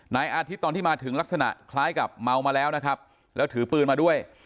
นายอาทิตย์ตอนที่มาถึงลักษณะคล้ายกับเมามาแล้วนะครับแล้วถือปืนมาด้วย